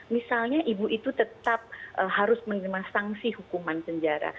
misalnya ibu itu tetap harus menerima sanksi hukuman penjara